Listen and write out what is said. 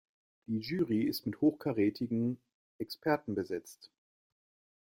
Die Jury ist mit hochkarätigen Experten besetzt.